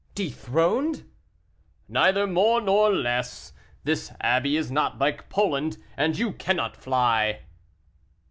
"Dethroned!" "Neither more or less. This abbey is not like Poland, and you cannot fly."